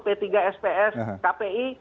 p tiga sps kpi